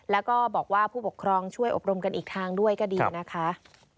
แล้วก็บอกว่าผู้ปกครองช่วยอบรมกันอีกทางด้วยก็ดีนะคะ